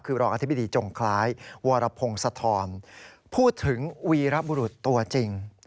คือรองอธิบดีจงคล้ายวรพงศธรพูดถึงวีรบุรุษตัวจริง